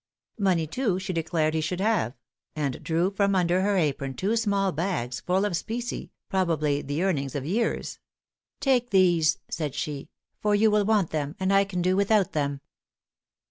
Money, too, she declared he should have; and drew from under her apron two small bags full of specie, probably the earnings of years. "Take these," said she, "for you will want them, and I can do without them."